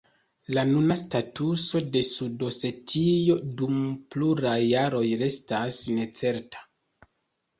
La nuna statuso de Sud-Osetio dum pluraj jaroj restas necerta.